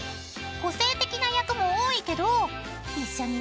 ［個性的な役も多いけど］